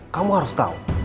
kamu harus tau